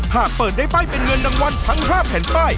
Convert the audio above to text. หากเปิดได้ป้ายเป็นเงินรางวัลทั้ง๕แผ่นป้าย